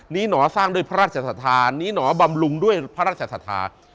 หนอสร้างด้วยพระราชศรัทธานีหนอบำรุงด้วยพระราชศรัทธา